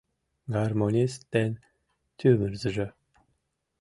Гармонист ден тӱмырзыжӧ